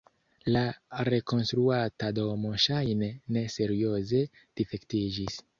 La rekonstruata domo ŝajne ne serioze difektiĝis.